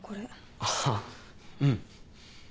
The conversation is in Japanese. ああうん。